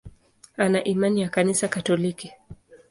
Ana imani ya Kanisa Katoliki.